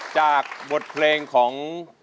จากบทเพลงของ